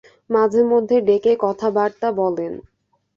মাঝে মধ্যে ডেকে কথাবার্তা বলেন।